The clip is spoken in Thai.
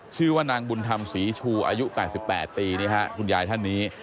ชื่อว่านางบุญธรรมศรีชูอายุ๘๘ปีคุณยายท่านนี้